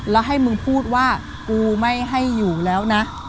แล้วให้มึงพูดว่ากูไม่ให้อยู่แล้วนะ